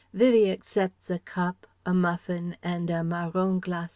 Vivie accepts a cup, a muffin, and a marron glacé.